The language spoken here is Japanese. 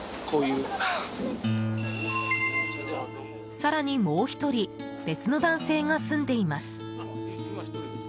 更に、もう１人別の男性が住んでいます。